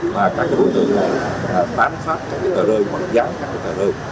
mà các đối tượng này phát các tờ rơi hoặc là gián các tờ rơi